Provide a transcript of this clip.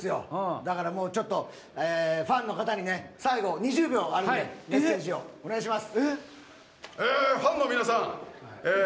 だからもうちょっとファンの方に最後２０秒あるのでメッセージをお願いします。